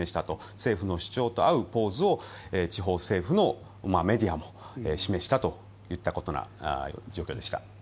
政府の主張と合うポーズを地方政府もメディアも示したといったような状況でした。